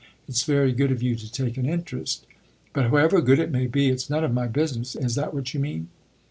It's very good of you to take an interest " "But however good it may be, it's none of my business : is that what you mean